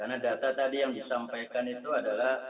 karena data tadi yang disampaikan itu adalah